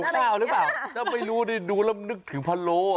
น่าเอาหรือเปล่าน่าไปดูแล้วนึกถึงพะโล่